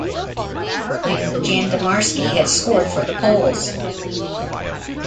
Earlier, Jan Domarski had scored for the Poles.